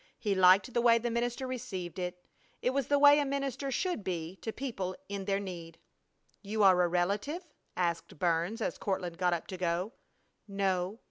He liked the way the minister received it. It was the way a minister should be to people in their need. "You are a relative?" asked Burns as Courtland got up to go. "No."